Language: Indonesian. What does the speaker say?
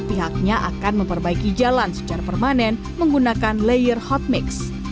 pihaknya akan memperbaiki jalan secara permanen menggunakan layer hot mix